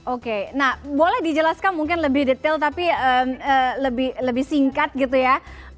oke nah boleh dijelaskan mungkin lebih detail tapi lebih singkat gitu ya